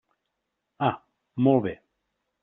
Ah, molt bé.